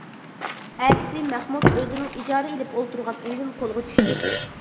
ئەتىسى مەخمۇت ئۆزىنىڭ ئىجارە ئېلىپ ئولتۇرغان ئۆيىدىن قولغا چۈشتى.